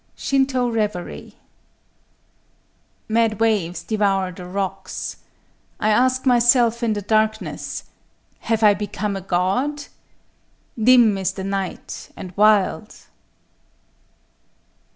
SHINTŌ REVERY _Mad waves devour The rocks: I ask myself in the darkness, "Have I become a god?" Dim is The night and wild!